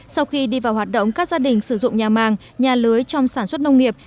sau khi đi vào hoạt động các gia đình sử dụng nhà màng nhà lưới trong sản xuất nông nghiệp